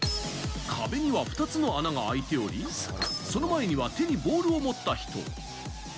壁には２つの穴があいており、その前には手にボールを持った人。